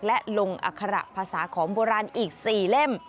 และลงอัคระภาษาของโบราณอีก๔เล่ม